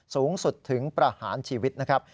สูงสุดถึงประหารชีวิตนะครับ